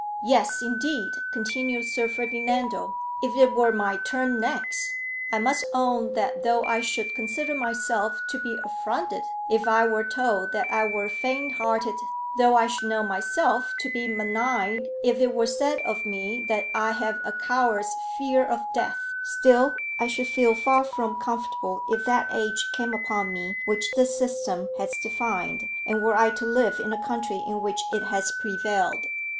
"Yes, indeed," continued Sir Ferdinando, "if it were my turn next! I must own, that though I should consider myself to be affronted if I were told that I were faint hearted, though I should know myself to be maligned if it were said of me that I have a coward's fear of death, still I should feel far from comfortable if that age came upon me which this system has defined, and were I to live in a country in which it has prevailed.